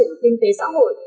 trong phát triển kinh tế xã hội